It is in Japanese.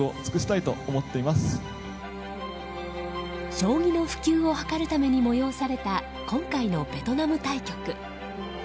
将棋の普及を図るために催された今回のベトナム対局。